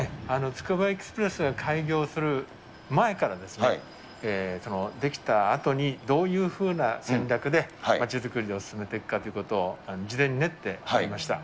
つくばエクスプレスが開業する前から出来たあとにどういうふうな戦略で街づくりを進めていくかということを、事前に練っておりました。